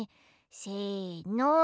せの。